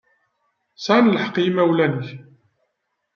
Sεan lḥeqq yimawlan-ik.